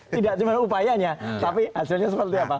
jadi tidak cuma upayanya tapi hasilnya seperti apa